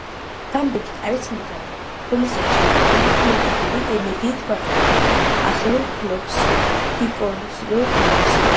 გამბიტი არის მუტანტი, რომელსაც შეუძლია კინეტიკური ენერგიის მართვა, ასევე ფლობს ჰიპნოზის უნარს.